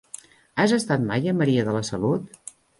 Has estat mai a Maria de la Salut?